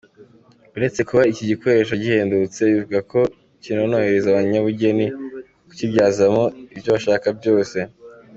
Uretse kuba iki gikoresho gihendutse, bivugwa ko kinorohereza abanyabugeneni kukibyazamo icyo bashaka cyose.